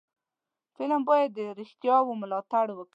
فلم باید د رښتیاو ملاتړ وکړي